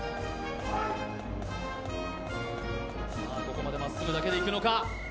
ここまでまっすぐだけでいくのか。